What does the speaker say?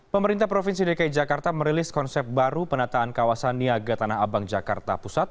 pemerintah provinsi dki jakarta merilis konsep baru penataan kawasan niaga tanah abang jakarta pusat